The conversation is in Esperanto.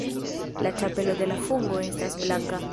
La ĉapelo de la fungo estas blanka.